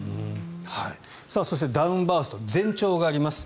そして、ダウンバースト前兆があります。